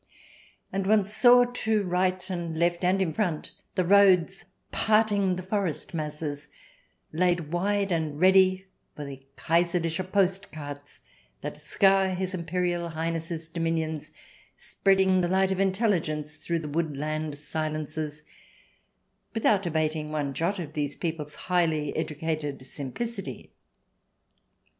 And one saw to right and left and in front the roads parting the forest masses, laid wide and ready for the Kaiser liche Post carts that scour His Imperial Highness's dominions, spreading the light of intelligence through the woodland silences, without abating 184 THE DESIRABLE ALIEN [ch. xiv one jot of these people's highly educated simplicity.